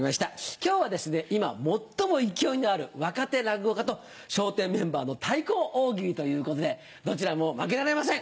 今日は今最も勢いのある若手落語家と笑点メンバーの「対抗大喜利」ということでどちらも負けられません。